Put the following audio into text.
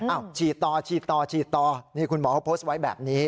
ฉีดต่อฉีดต่อฉีดต่อนี่คุณหมอเขาโพสต์ไว้แบบนี้